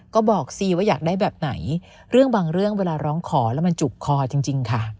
ก็บอกสิว่าอยากได้แบบไหนเรื่องบางเรื่องเวลาร้องขอแล้วมันจุกคอจริงค่ะ